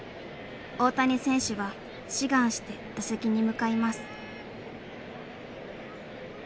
大谷選手は志願して打席に向かいます。